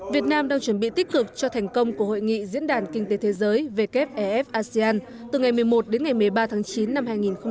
việt nam đang chuẩn bị tích cực cho thành công của hội nghị diễn đàn kinh tế thế giới wfef asean từ ngày một mươi một đến ngày một mươi ba tháng chín năm hai nghìn hai mươi